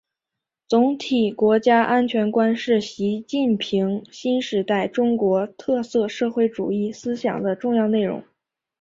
总体国家安全观是习近平新时代中国特色社会主义思想的重要内容